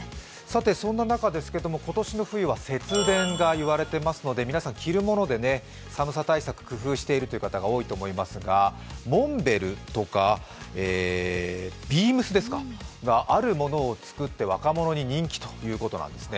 そんな中ですが今年の冬は節電がいわれていますので皆さん、着るもので寒さ対策工夫しているという方が多いと思いますが、モンベルとかＢＥＡＭＳがあるものを作って若者に人気ということなんですね。